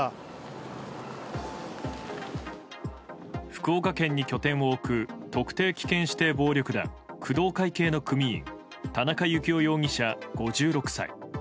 福岡県に拠点を置く特定危険指定暴力団工藤会系の組員田中幸雄容疑者、５６歳。